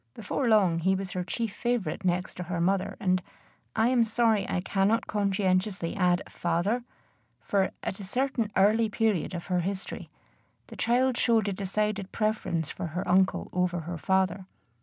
Before long he was her chief favorite next to her mother and I am sorry I cannot conscientiously add father; for, at a certain early period of her history, the child showed a decided preference for her uncle over her father.